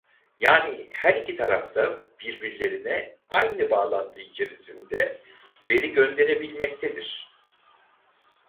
Yani her iki taraf da birbirlerine aynı bağlantı içerisinde veri gönderebilmektedir.